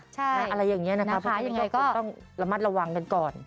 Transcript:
ใช่นะคะยังไงก็อะไรอย่างนี้นะคุณต้องระมัดระวังกันก่อน